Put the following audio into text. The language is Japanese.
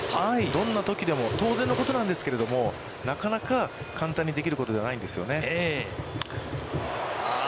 どんなときでも当然のことなんですけれども、なかなか簡単にできることではないんですよね。